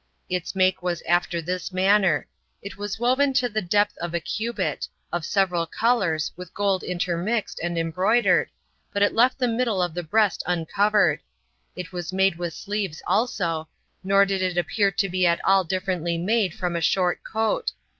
Its make was after this manner: it was woven to the depth of a cubit, of several colors, with gold intermixed, and embroidered, but it left the middle of the breast uncovered: it was made with sleeves also; nor did it appear to be at all differently made from a short coat.